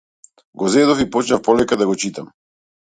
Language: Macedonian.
Го зедов и почнав полека да го читам.